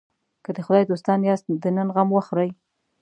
که د خدای دوستان یاست د نن غم وخورئ.